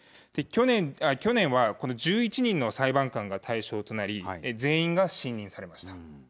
去年は、この１１人の裁判官が対象となり、全員が信任されました。